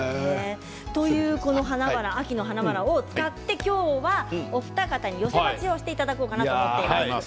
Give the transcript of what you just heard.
今日は、秋の花々を使ってお二方に寄せ鉢をしていただこうと思います。